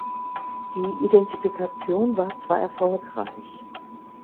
Die Identifikation war zwar erfolgreich.